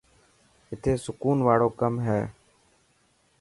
اٿي سڪون واڙو ڪم هي.